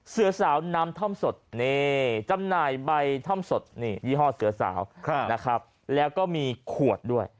เสือสาวน้ำท่อมสดนี่จำหน่ายใบท่อมสดนี่ยี่ห้อเสือสาวนะครับแล้วก็มีขวดด้วย